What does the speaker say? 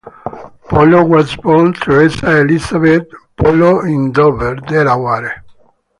Polo was born Theresa Elizabeth Polo in Dover, Delaware.